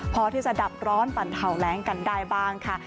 พอที่จะดับร้อนปั่นเทาแรงกันได้บ้างค่ะ